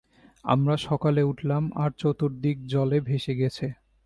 আমরা সকালে উঠলাম আর চতুর্দিক জলে ভেসে গেছে।